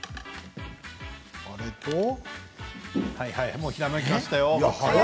もうひらめきましたよ。